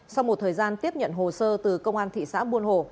sau một thời gian tiếp nhận hồ sơ từ công an thị xã buôn hồ